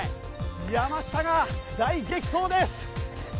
山下が大激走です！